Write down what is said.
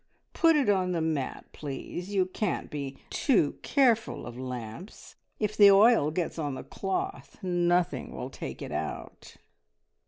Put it on the mat, please. You can't be too careful of lamps. If the oil gets on the cloth, nothing will take it out!"